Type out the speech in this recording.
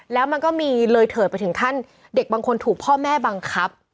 แล้วมันก็มีเลยเถิดไปถึงขั้นเด็กบางคนถูกพ่อแม่บังคับ